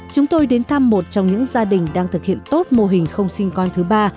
chúng tôi đến thăm một trong những gia đình đang thực hiện tốt mô hình không sinh con thứ ba